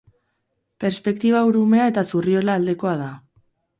Perspektiba Urumea eta Zurriola aldekoa da.